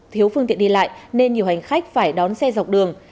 thiếu phương tiện đi lại nên nhiều hành khách phải đón xe dọc đường